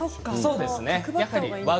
そうですね。